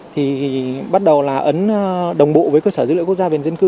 thì bắt đầu là ấn đồng bộ với cơ sở dữ liệu quốc gia về dân cư